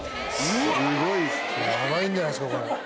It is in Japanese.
すごいやばいんじゃないですかこれ。